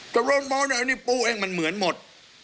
กระโรนม้อนอันนี้ปู้เองมันเหมือนหมด